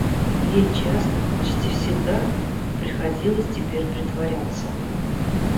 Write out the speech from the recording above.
Ей часто, почти всегда, приходилось теперь притворяться.